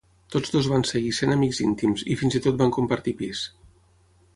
Tot dos van seguir sent amics íntims i fins i tot van compartir pis.